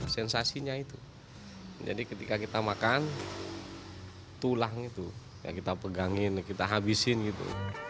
sensasinya itu jadi ketika kita makan tulang itu yang kita pegangin kita habisin gitu